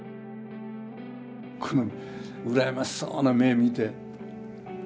この羨ましそうな目見て。